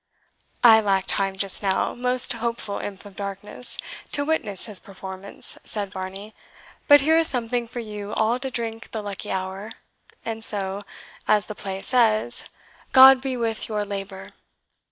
"I lack time just now, most hopeful imp of darkness, to witness his performance," said Varney; "but here is something for you all to drink the lucky hour and so, as the play says, 'God be with Your labour!'"